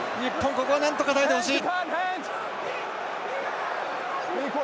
ここはなんとか耐えてほしい。